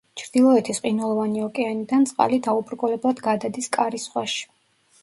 ჩრდილოეთის ყინულოვანი ოკეანიდან წყალი დაუბრკოლებლად გადადის კარის ზღვაში.